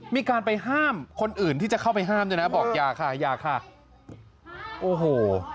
มีการไปห้ามคนอื่นที่จะเข้าไปห้ามด้วยนะบอกอย่าค่ะอย่าค่ะโอ้โห